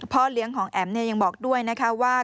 เลี้ยงของแอ๋มยังบอกด้วยนะคะว่า